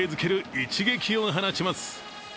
一撃を放ちます。